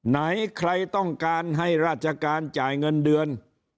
ไหนใครต้องการให้ราชการจ่ายเงินเดือน